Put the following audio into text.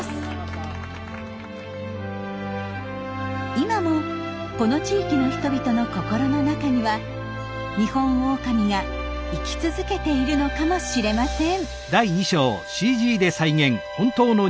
今もこの地域の人々の心の中にはニホンオオカミが生き続けているのかもしれません。